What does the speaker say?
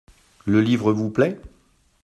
Le livre vous plait ?